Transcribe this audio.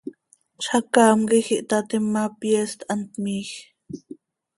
Zacaam quij ihtaatim ma, pyeest hant miij.